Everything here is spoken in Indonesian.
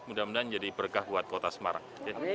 mudah mudahan jadi berkah buat kota semarang